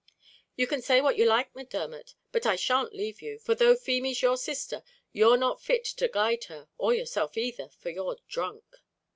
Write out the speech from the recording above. "You can say what you like, Macdermot, but I shan't leave you; for though Feemy's your sister, you're not fit to guide her, or yourself either, for you're drunk."